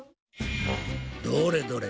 どれどれ。